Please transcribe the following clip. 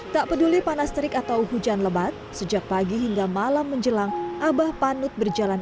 tak peduli panas terik atau hujan lebat sejak pagi hingga malam menjelang abah panut berjalan